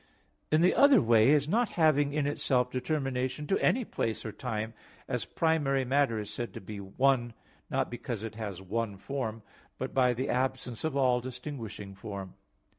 In the other way as not having in itself determination to any place or time, as primary matter is said to be one, not because it has one form, but by the absence of all distinguishing form.